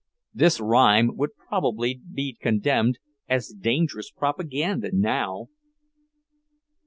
This rhyme would probably be condemned as dangerous propaganda now!